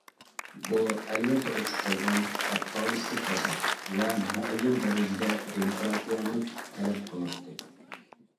بۇ ئەلۋەتتە ئوچۇق بولغان كاپىتالىستىك بازار ۋە مۇئەييەن دەرىجىدە دېموكراتىيەنى تەلەپ قىلاتتى.